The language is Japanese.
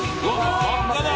真っ赤だ！